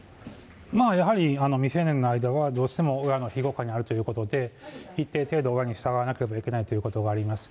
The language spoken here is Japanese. やはり未成年の間は、どうしても親の庇護下にあるということで、一定程度、親に従わなければいけないということがあります。